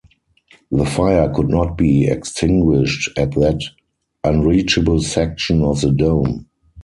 The fire could not be extinguished at that unreachable section of the dome.